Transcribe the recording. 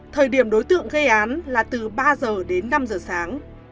thời điểm đối tượng gây án là từ ba giờ đến năm giờ sáng